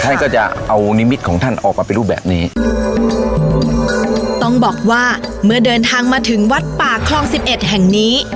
ท่านก็จะเอานิมิตของท่านออกมาเป็นรูปแบบนี้ต้องบอกว่าเมื่อเดินทางมาถึงวัดป่าคลองสิบเอ็ดแห่งนี้